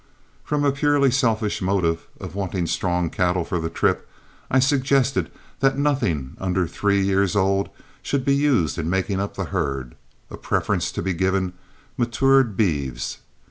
From a purely selfish motive of wanting strong cattle for the trip, I suggested that nothing under three year olds should be used in making up the herd, a preference to be given matured beeves.